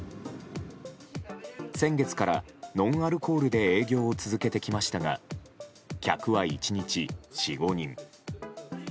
先月から、ノンアルコールで営業を続けてきましたが客は１日４５人。